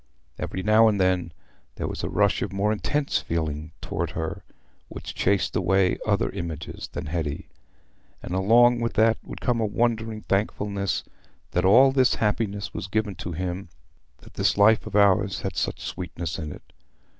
Every now and then there was a rush of more intense feeling towards her, which chased away other images than Hetty; and along with that would come a wondering thankfulness that all this happiness was given to him—that this life of ours had such sweetness in it.